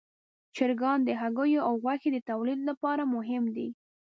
چرګان د هګیو او غوښې د تولید لپاره مهم دي.